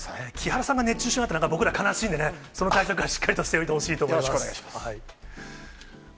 木原さんが熱中症になったら、僕ら悲しいんでね、その対策はしっかりとしておいてほしいと思いよろしくお願いします。